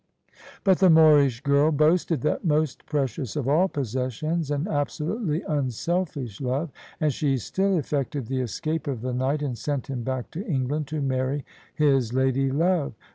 But the Moorish girl boasted that most precious of all possessions, an absolutely unselfish love: and she still effected the escape of the knight and sent him back to Eng land to marry his lady love.